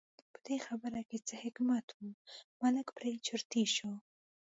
په دې خبره کې څه حکمت و، ملک پرې چرتي شو.